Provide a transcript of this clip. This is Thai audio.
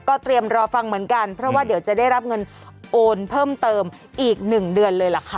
เตรียมรอฟังเหมือนกันเพราะว่าเดี๋ยวจะได้รับเงินโอนเพิ่มเติมอีก๑เดือนเลยล่ะค่ะ